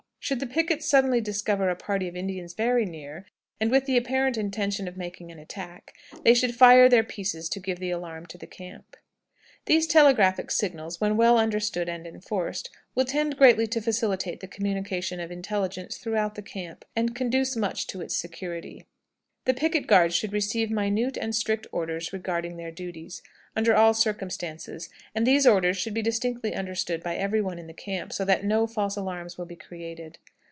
Should the pickets suddenly discover a party of Indians very near, and with the apparent intention of making an attack, they should fire their pieces to give the alarm to the camp. These telegraphic signals, when well understood and enforced, will tend greatly to facilitate the communication of intelligence throughout the camp, and conduce much to its security. The picket guards should receive minute and strict orders regarding their duties under all circumstances, and these orders should be distinctly understood by every one in the camp, so that no false alarms will be created.